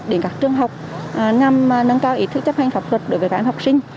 đến các trường học nhằm nâng cao ý thức chấp hành pháp luật đối với các em học sinh